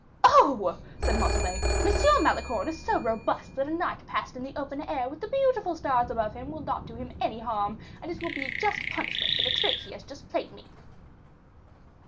"Oh!" said Montalais, "Monsieur Malicorne is so robust that a night passed in the open air with the beautiful stars above him will not do him any harm, and it will be a just punishment for the trick he has played me."